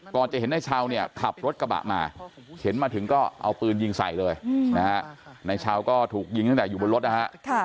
จะเห็นนายชาวเนี่ยขับรถกระบะมาเห็นมาถึงก็เอาปืนยิงใส่เลยนะฮะนายชาวก็ถูกยิงตั้งแต่อยู่บนรถนะฮะ